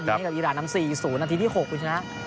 ยิงให้กับอิรานน้ำ๔๐นาทีที่๖คุณผู้ชมครับ